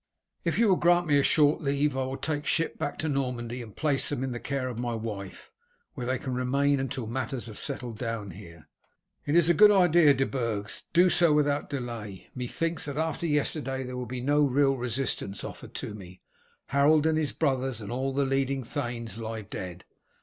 "If you will grant me a short leave I will take ship back to Normandy and place them in the care of my wife, where they can remain until matters have settled down here." "It is a good idea, De Burg; do so without delay. Methinks that after yesterday there will be no real resistance offered to me. Harold and his brothers and all the leading thanes lie dead.